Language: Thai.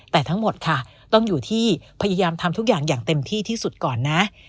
แต่ทั้งหมดค่ะต้องอยู่ที่พยายามทำทุกอย่างอย่างเต็มที่ที่สุดก่อนนะ